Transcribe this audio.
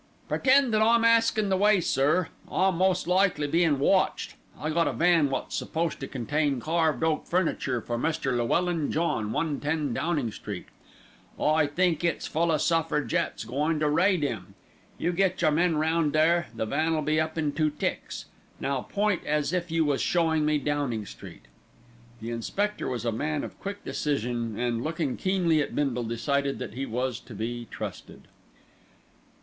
"Pretend that I'm askin' the way, sir. I'm most likely bein' watched. I got a van wot's supposed to contain carved oak furniture for Mr. Llewellyn John, 110, Downing Street. I think it's full o' suffragettes goin' to raid 'im. You get your men round there, the van'll be up in two ticks. Now point as if you was showing me Downing Street." The inspector was a man of quick decision and, looking keenly at Bindle, decided that he was to be trusted.